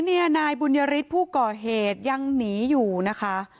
ตอนนี้นายบุญญาริสผู้ก่อเหตุยังหนีอยู่นะคะ